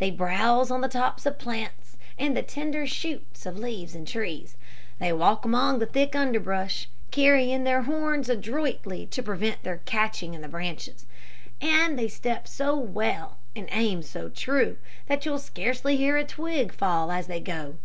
They browse on the tops of plants, and the tender shoots and leaves of trees. They walk among the thick underbrush, carrying their horns adroitly to prevent their catching in the branches, and they step so well, and aim so true, that you'll scarcely hear a twig fall as they go.